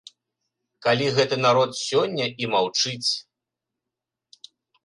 Калі гэты народ сёння і маўчыць.